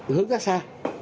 hướng ra xa